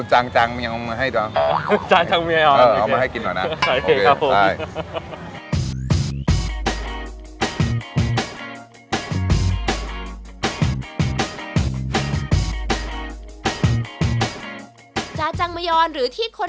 จาจังมียอนมาจากซีริย์เรื่อง